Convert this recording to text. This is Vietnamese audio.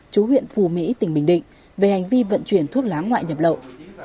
chú huyện phù mỹ tỉnh bình định về hành vi vận chuyển thuốc lá ngoại nhập lậu